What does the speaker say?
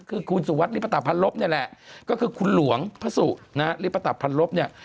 คือคุณสุวัสดิริปตะพันลบนี่แหละก็คือคุณหลวงพระสุนะฮะริปตะพันลบเนี่ย